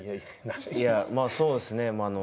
いやまあそうですね。